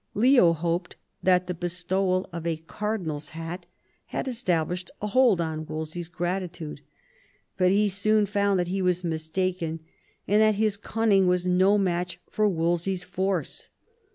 Leo hoped that the bestowal of a cardinal's hat had established a hold on Wolsey's grati tude ; but he soon found that he was mistaken, and that his cunning was no match for Wolsey's force.